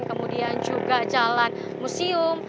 kemudian juga jalan museum